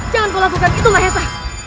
jangan kau lakukan itulah yasa